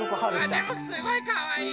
でもすごいかわいい！